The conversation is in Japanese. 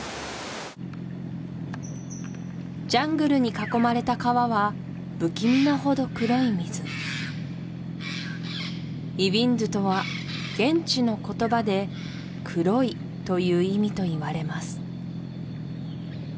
ジャングルに囲まれた川は不気味なほど黒い水イヴィンドゥとは現地の言葉で「黒い」という意味といわれます